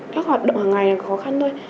các hoạt động hàng ngày là khó khăn thôi